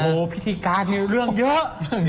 โอ้โหพิธีการมีเรื่องเยอะ